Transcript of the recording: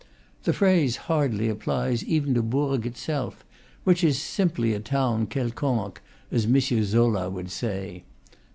The phrase hardly applies even to Bourg itself, which is simply a town quelconque, as M. Zola would say.